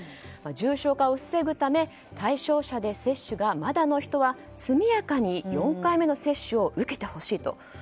重症化を防ぐため対象者で接種がまだの人は速やかに４回目の接種を受けてほしいと。